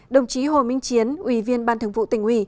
đồng chí hồ minh chiến ủy viên ban thường vụ tỉnh ủy